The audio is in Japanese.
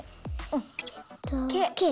えっとｋ。